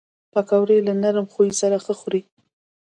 پکورې له نرم خویو سره ښه خوري